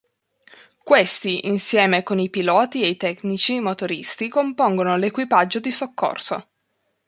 Questi insieme con i piloti e i tecnici motoristi compongono l equipaggio di soccorso.